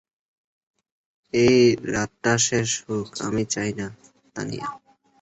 এই রাতটা শেষ হোক আমি চাই না, তানিয়া।